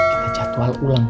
kita jadwal ulang